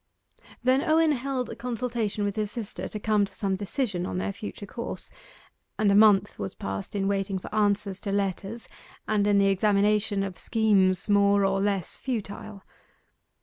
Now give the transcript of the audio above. Then Owen held a consultation with his sister to come to some decision on their future course, and a month was passed in waiting for answers to letters, and in the examination of schemes more or less futile.